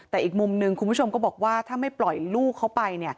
แต่อีกมุมหนึ่งคุณผู้ชมก็บอกว่าถ้าไม่ปล่อยลูกเขาไป